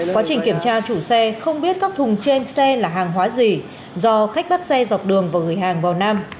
quá trình kiểm tra chủ xe không biết các thùng trên xe là hàng hóa gì do khách bắt xe dọc đường và gửi hàng vào nam